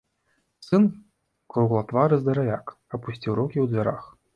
Сын, круглатвары здаравяк, апусціў рукі ў дзвярах.